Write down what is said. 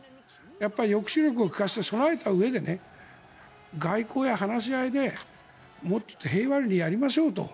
やっぱり、抑止力を利かせて備えたうえで外交や話し合いで、もうちょっと平和裏やりましょうと。